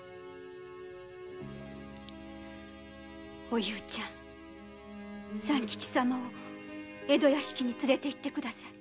おゆうちゃん三吉様を江戸屋敷に連れて行って下さい。